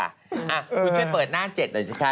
คุณช่วยเปิดหน้า๗หน่อยสิคะ